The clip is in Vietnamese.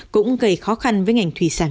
cũng gây khó khăn với ngành thủy sản